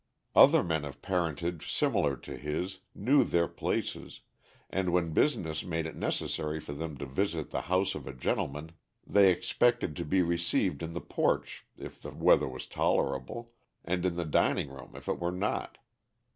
Other men of parentage similar to his knew their places, and when business made it necessary for them to visit the house of a gentleman they expected to be received in the porch if the weather were tolerable, and in the dining room if it were not.